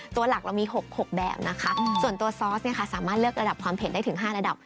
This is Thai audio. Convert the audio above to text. หลักเรามี๖๖แบบนะคะส่วนตัวซอสเนี่ยค่ะสามารถเลือกระดับความเผ็ดได้ถึง๕ระดับ